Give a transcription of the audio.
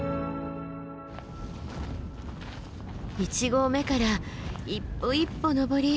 １合目から一歩一歩登り